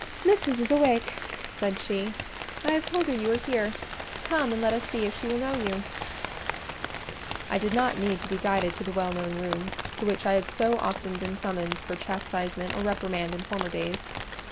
"Missis is awake," said she; "I have told her you are here: come and let us see if she will know you." I did not need to be guided to the well known room, to which I had so often been summoned for chastisement or reprimand in former days.